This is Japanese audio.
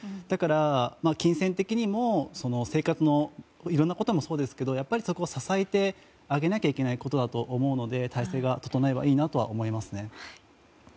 だから金銭的にも生活のいろんなこともそうですけどそこは支えてあげなきゃいけないことだと思うので体制が整えばいいなと思います。